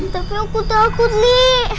tapi aku takut li